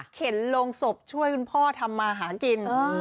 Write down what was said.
เห็นโรงศพช่วยคุณพ่อทำมาหากิน